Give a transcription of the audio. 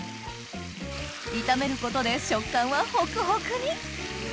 炒めることで食感はホクホクに！